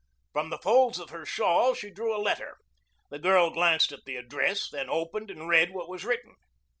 From the folds of her shawl she drew a letter. The girl glanced at the address, then opened and read what was written.